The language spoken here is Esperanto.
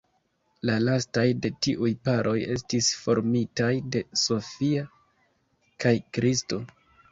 La lastaj de tiuj paroj estis formitaj de Sophia kaj Kristo.